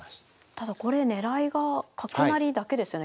ただこれ狙いが角成りだけですよね。